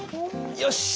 よし！